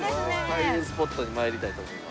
開運スポットに参りたいと思います。